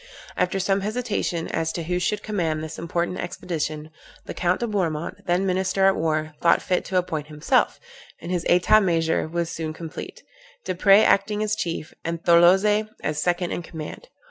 After some hesitation as to who should command this important expedition, the Count de Bourmont, then minister at war, thought fit to appoint himself; and his etat major was soon complete, Desprez acting as chief, and Tholozé as second in command.